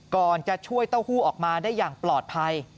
ก่อนจะช่วยเต้าหู้ออกมาได้อย่างปลอดภัย